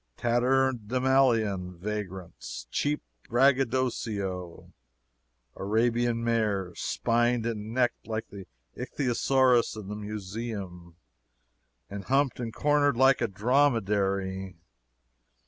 Tatterdemalion vagrants cheap braggadocio "Arabian mares" spined and necked like the ichthyosaurus in the museum, and humped and cornered like a dromedary!